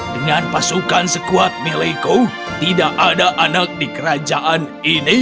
dengan pasukan sekuat milikku tidak ada anak di kerajaan ini